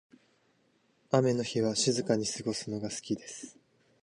雨の日は静かに過ごすのが好きです。